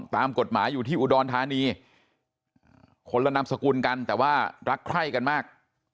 ตามกฎหมายอยู่ที่อุดรธานีคนละนามสกุลกันแต่ว่ารักใคร่กันมาก